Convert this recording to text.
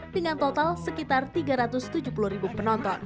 dengan total sekitar tiga ratus tujuh puluh ribu penonton